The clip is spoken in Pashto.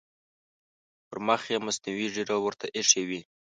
پر مخ یې مصنوعي ږیره ورته اېښې وي.